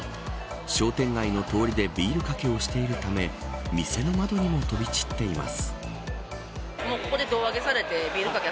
商店街の通りでビールかけをしているため店の窓にも飛び散っています。